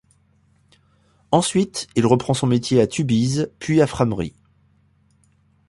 Ensuite, il reprend son métier à Tubize puis à Frameries.